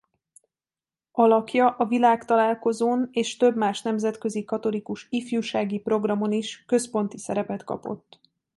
Alakja a világtalálkozón és több más nemzetközi katolikus ifjúsági programon is központi szerepet kapott.